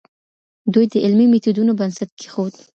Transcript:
دوی د علمي میتودونو بنسټ کيښود.